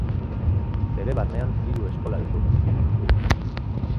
Bere barnean hiru eskola ditu.